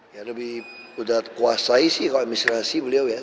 ya lebih udah kuasai sih keadministrasi beliau ya